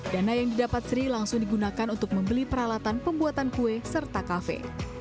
dana yang didapat sri langsung digunakan untuk membeli peralatan pembuatan kue serta kafe